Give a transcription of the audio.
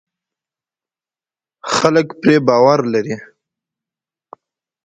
خلک پرې باور لري.